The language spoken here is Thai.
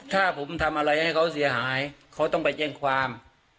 ถ้าผมทำอะไรให้เขาเสียหายเขาต้องไปแจ้งความ